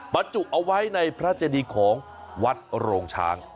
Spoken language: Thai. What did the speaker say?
บรรจุเอาไว้ในพระเจดีของวัดโรงช้าง